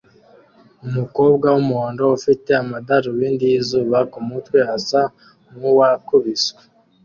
Umukobwa wumuhondo ufite amadarubindi yizuba kumutwe asa nkuwakubiswe